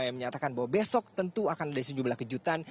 yang menyatakan bahwa besok tentu akan ada sejumlah kejutan